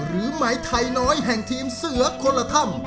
หรือหมายไทยน้อยแห่งทีมเสือคนละถ้ำ